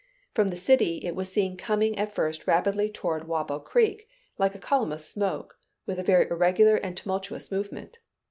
From the city, it was seen coming at first rapidly toward Wappo Creek, like a column of smoke, with a very irregular and tumultuous movement.